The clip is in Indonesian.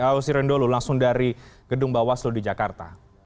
aosir rendolo langsung dari gedung bawaslu di jakarta